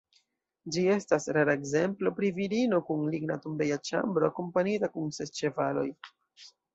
Ĝi estas rara ekzemplo pri virino kun ligna tombeja ĉambro, akompanita kun ses ĉevaloj.